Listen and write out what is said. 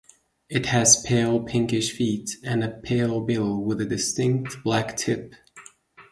It has pale pinkish feet, and a pale bill with a distinct black tip.